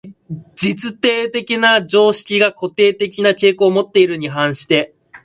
実定的な常識が固定的な傾向をもっているに反して、